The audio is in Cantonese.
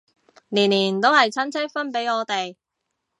年年都係親戚分俾我哋